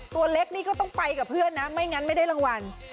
ตัวเล็กนี่ก็ต้องไปกับเพื่อนนะไม่งั้นไม่ได้รางวัล